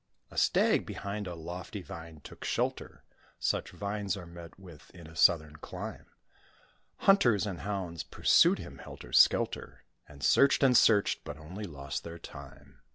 A Stag behind a lofty Vine took shelter (Such vines are met with in a southern clime); Hunters and hounds pursued him helter skelter, And searched and searched, but only lost their time.